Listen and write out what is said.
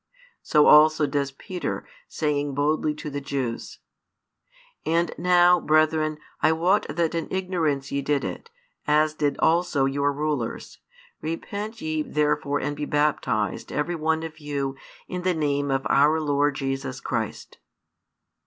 So also does Peter, saying boldly to the Jews: And now, brethren, I wot that in ignorance ye did it, as did also your rulers. Repent ye therefore and be baptized every one of you in the name of our Lord Jesus Christ.